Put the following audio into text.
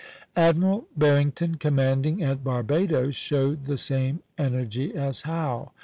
Admiral Barrington, commanding at Barbadoes, showed the same energy as Howe.